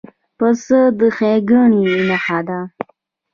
پسه د ښېګڼې نښه ده.